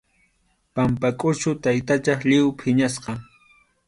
Pampakʼuchu taytachataq lliw phiñasqa.